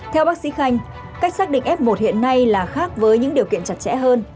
theo bác sĩ khanh cách xác định f một hiện nay là khác với những điều kiện chặt chẽ hơn